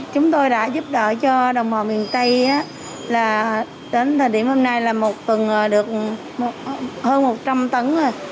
chúng tôi đã giúp đỡ cho đồng bào miền tây là đến thời điểm hôm nay là một tuần được hơn một trăm linh tấn